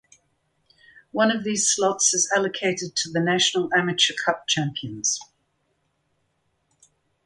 One of these slots is allocated to the National Amateur Cup champions.